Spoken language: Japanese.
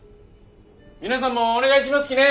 皆さんもお願いしますきね。